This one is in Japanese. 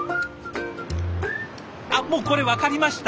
あっもうこれ分かりました。